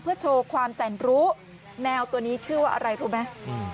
โชว์ความแสนรู้แมวตัวนี้ชื่อว่าอะไรรู้ไหม